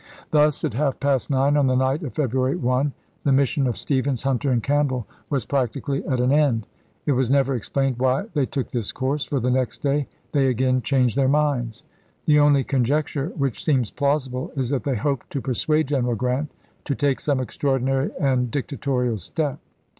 Thus at half past nine on the night of February 1 the mis sion of Stephens, Hunter, and Campbell was prac tically at an end. It was never explained why they took this course, for the next day they again changed their minds. The only conjecture which seems plausible is that they hoped to persuade General Grant to take some extraordinary and dic tatorial step.